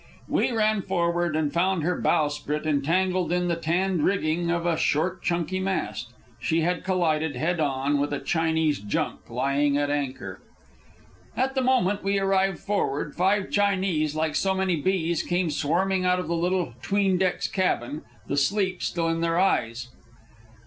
We ran forward, and found her bowsprit entangled in the tanned rigging of a short, chunky mast. She had collided, head on, with a Chinese junk lying at anchor. At the moment we arrived forward, five Chinese, like so many bees, came swarming out of the little 'tween decks cabin, the sleep still in their eyes.